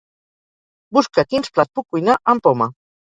Busca quins plats puc cuinar amb poma.